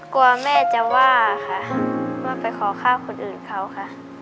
กลัวแม่จะว่าค่ะว่าไปขอฆ่าคนอื่นเขาค่ะ